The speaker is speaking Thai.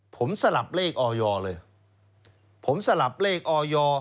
๓ผมสลับเลขออยเลย